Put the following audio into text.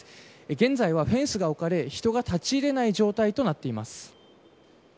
現在はフェンスが置かれ人が立ち入れない状態となっています。